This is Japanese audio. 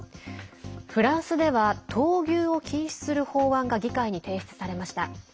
フランスでは闘牛を禁止する法案が議会に提出されました。